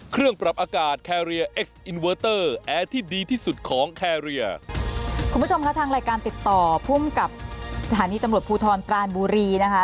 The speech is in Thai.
คุณผู้ชมคะทางรายการติดต่อภูมิกับสถานีตำรวจภูทรปรานบุรีนะคะ